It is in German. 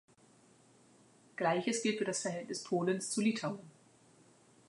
Gleiches gilt für das Verhältnis Polens zu Litauen.